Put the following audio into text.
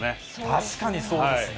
確かにそうですね。